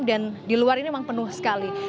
dan di luar ini memang penuh sekali